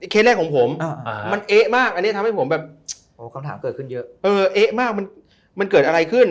เคสแรกของผมมันเอ๊ะมากอันนี้ทำให้ผมแบบเอ๊ะมากมันเกิดอะไรขึ้น